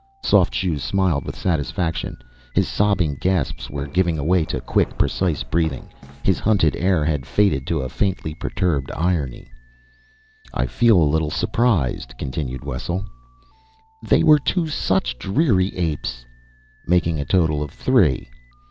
Soft Shoes smiled with satisfaction. His sobbing gasps were giving way to quick, precise breathing; his hunted air had faded to a faintly perturbed irony. "I feel little surprise," continued Wessel. "They were two such dreary apes." "Making a total of three."